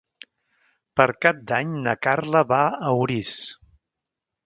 Per Cap d'Any na Carla va a Orís.